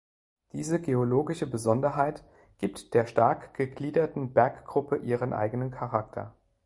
Diese geologische Besonderheit gibt der stark gegliederten Berggruppe ihren eigenen Charakter.